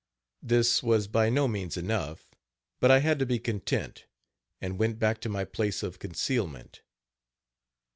This was by no means enough, but I had to be content, and went back to my place of concealment.